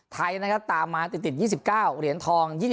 ไทยนะครับตามมาติด๒๙เหรียญทอง